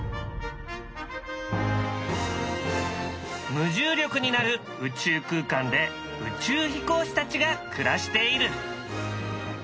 無重力になる宇宙空間で宇宙飛行士たちが暮らしている。